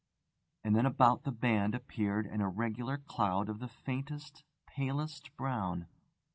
And then about the band appeared an irregular cloud of the faintest, palest brown.